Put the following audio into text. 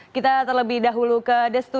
kita terlebih dahulu ke destu